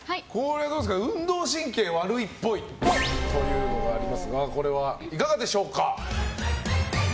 運動神経悪いっぽいというのがありますがこれはいかがでしょうか。